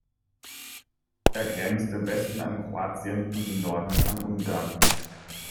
Er grenzt im Westen an Kroatien und im Norden an Ungarn.